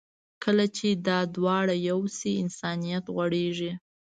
کله چې دا دواړه یو شي، انسانیت غوړېږي.